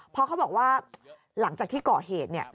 เพราะเขาบอกว่าหลังจากที่ก่อเหตุเนี่ย